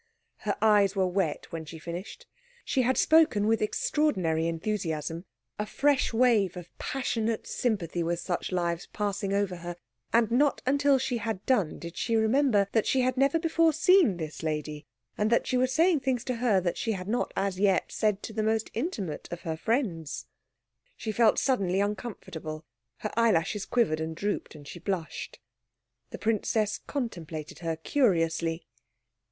Her eyes were wet when she finished. She had spoken with extraordinary enthusiasm, a fresh wave of passionate sympathy with such lives passing over her; and not until she had done did she remember that she had never before seen this lady, and that she was saying things to her that she had not as yet said to the most intimate of her friends. She felt suddenly uncomfortable; her eyelashes quivered and drooped, and she blushed. The princess contemplated her curiously.